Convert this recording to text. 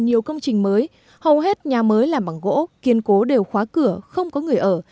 nhiều công trình mới hầu hết nhà mới làm bằng gỗ kiên cố đều khóa cửa không có người ở